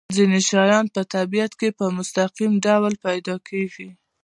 ځینې شیان په طبیعت کې په مستقیم ډول پیدا کیږي.